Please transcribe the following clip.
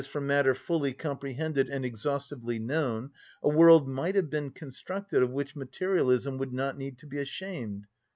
_, from matter fully comprehended and exhaustively known, a world might have been constructed of which materialism would not need to be ashamed.